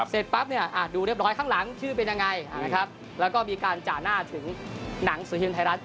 เสร็จปั๊บเนี่ยดูเรียบร้อยข้างหลังชื่อเป็นยังไงนะครับแล้วก็มีการจ่าหน้าถึงหนังสือพิมพ์ไทยรัฐ